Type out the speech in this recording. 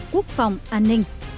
quốc phòng an ninh